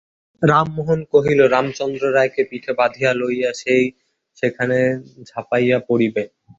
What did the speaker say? রামমােহন কহিল, রামচন্দ্র রায়কে পিঠে বাঁধিয়া লইয়া সে সেই খানে ঝাঁপাইয়া পড়িবে।